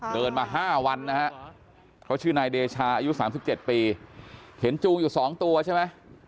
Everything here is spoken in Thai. เดินมา๕วันนะฮะเขาชื่อนายเดชาอายุ๓๗ปีเห็นจูงอยู่๒ตัวใช่ไหม